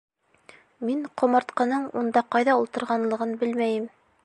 Мин ҡомартҡының унда ҡайҙа ултырғанлығын белмәйем!